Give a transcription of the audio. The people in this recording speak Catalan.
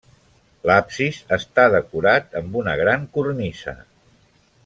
L'absis està decorat amb una gran cornisa.